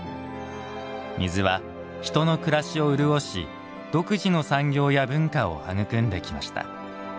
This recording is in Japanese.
水は人の暮らしを潤し独自の産業や文化を育んできました。